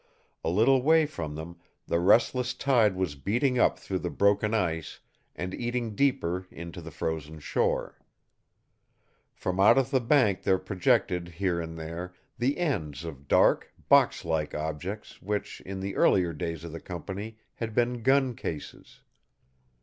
A little way from them, the restless tide was beating up through the broken ice, and eating deeper into the frozen shore. From out of the bank there projected, here and there, the ends of dark, box like objects, which, in the earlier days of the company, had been gun cases.